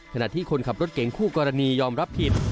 ขณะที่คนขับรถเก่งคู่กรณียอมรับผิด